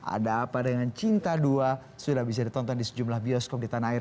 ada apa dengan cinta dua sudah bisa ditonton di sejumlah bioskop di tanah air